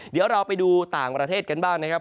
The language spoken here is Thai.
เดี๋ยวเราไปดูต่างประเทศกันบ้างนะครับ